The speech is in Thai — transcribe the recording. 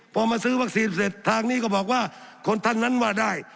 พอมาซื้อวัคซีนเสร็จทางนี้ก็บอกว่าคนท่านนั้นว่าได้